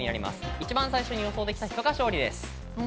一番最初に予想できた人が勝利です。